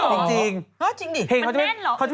เค้าจะเป็นเพลงแบบ